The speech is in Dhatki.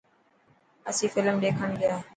اسين فلم ڏيکڻ گيا.